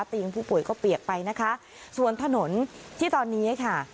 ผู้ป่วยก็เปียกไปนะคะส่วนถนนที่ตอนนี้ค่ะ